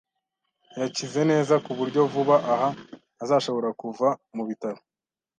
Yakize neza, ku buryo vuba aha azashobora kuva mu bitaro.